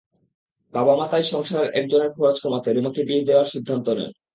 বাবা-মা তাই সংসারের একজনের খরচ কমাতে রুমাকে বিয়ে দেওয়ার সিদ্ধান্ত নেন।